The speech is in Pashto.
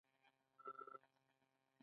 د انسان بدن له څو سیستمونو څخه جوړ دی